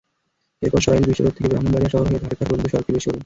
এরপর সরাইল বিশ্বরোড থেকে ব্রাহ্মণবাড়িয়া শহর হয়ে ধরখার পর্যন্ত সড়কটি বেশ সরু।